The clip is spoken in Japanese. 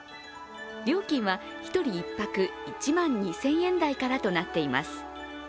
料金は１人１泊１万２０００円台からとなっています。